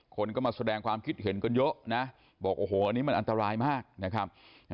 คนก็มาแสดงความคิดเห็นกันเยอะนะบอกโอ้โหอันนี้มันอันตรายมากนะครับ